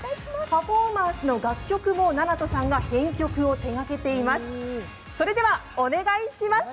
パフォーマンスの楽曲も七斗さんが編曲を手がけています。